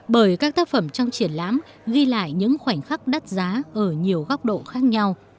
bởi các tác phẩm trong triển lãm ghi lại những khoảnh khắc đắt giá ở nhiều góc độ khác nhau